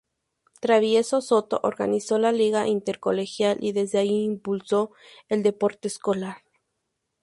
Travieso Soto organizó la Liga Intercolegial y desde allí impulsó el deporte escolar.